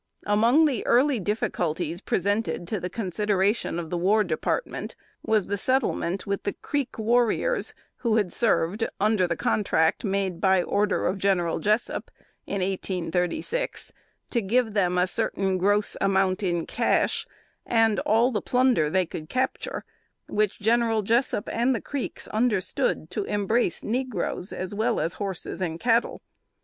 Among the early difficulties presented to the consideration of the War Department, was the settlement with the Creek warriors who had served under the contract made by order of General Jessup, in 1836, to give them a certain gross amount in cash, and all the plunder they could capture which General Jessup and the Creeks understood to embrace negroes, as well as horses and cattle.